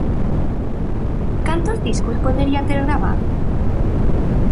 Cantos discos podería ter gravado?